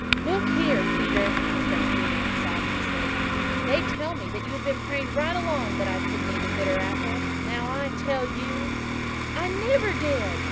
"Look here, Peter," said Felix ominously, "they tell me that you've been praying right along that I couldn't eat a bitter apple. Now, I tell you " "I never did!"